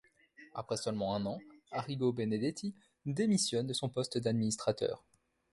Après seulement un an, Arrigo Benedetti démissionne de son poste d'administrateur.